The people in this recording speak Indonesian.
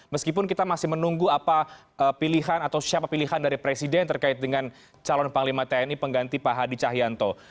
meskipun kita masih menunggu apa pilihan atau siapa pilihan dari presiden terkait dengan calon panglima tni pengganti pak hadi cahyanto